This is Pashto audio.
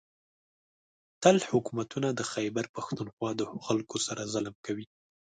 . تل حکومتونه د خېبر پښتونخوا د خلکو سره ظلم کوي